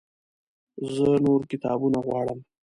زه نور کتابونه غواړم